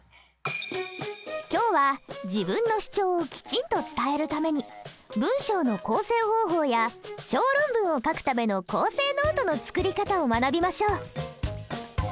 今日は自分の主張をきちんと伝えるために文章の構成方法や小論文を書くための構成ノートの作り方を学びましょう！